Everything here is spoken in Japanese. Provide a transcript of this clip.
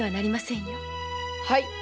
はい。